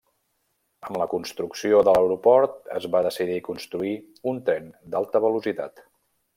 Amb la construcció de l'aeroport es va decidir construir un tren d'alta velocitat.